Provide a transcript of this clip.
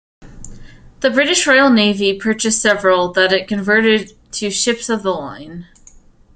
The British Royal Navy purchased several that it converted to ships of the line.